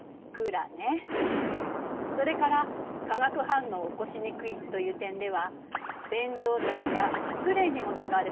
それから化学反応を起こしにくいという点では洗浄剤やスプレーにも使われたわ。